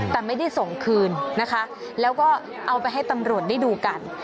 แต่ไม่ได้ส่งคืนนะคะแล้วก็เอาไปให้ตำรวจได้ดูกัน